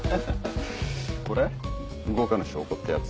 これ動かぬ証拠ってやつ。